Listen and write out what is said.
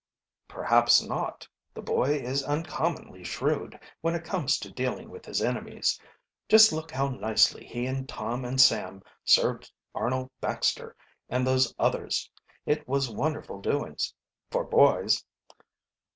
"Perhaps not. The boy is uncommonly shrewd, when it comes to dealing with his enemies. Just look how nicely he and Tom and Sam served Arnold Baxter and those others. It was wonderful doings for boys."